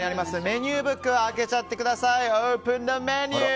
メニューブックを開けちゃってください。